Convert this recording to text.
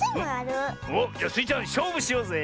おっじゃスイちゃんしょうぶしようぜ。